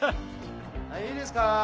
はいいいですか。